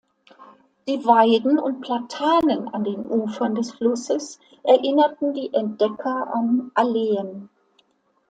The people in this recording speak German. Die Weiden und Platanen an den Ufern des Flusses erinnerten die Entdecker an Alleen.